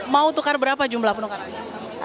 mau tukar berapa jumlah penukarannya